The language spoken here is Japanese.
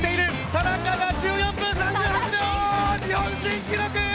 田中が１４分３８秒、日本新記録！